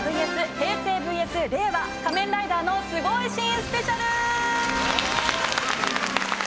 平成ＶＳ令和『仮面ライダー』のスゴいシーンスペシャル！